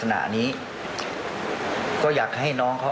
มันมีโอกาสเกิดอุบัติเหตุได้นะครับ